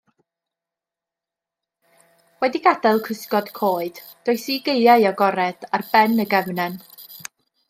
Wedi gadael cysgod coed, dois i gaeau agored, ar ben y gefnen.